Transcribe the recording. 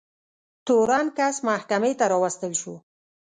تورن کس محکمې ته راوستل شو.